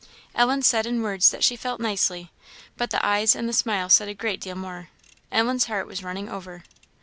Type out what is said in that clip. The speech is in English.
Ellen said in words that she felt "nicely," but the eyes and the smile said a great deal more; Ellen's heart was running over.